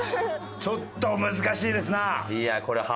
ちょっと難しいですな！